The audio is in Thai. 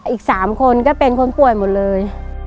อีก๓คนก็เป็นคนป่วยหมดเลย